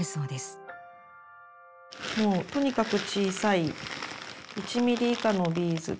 もうとにかく小さい１ミリ以下のビーズです。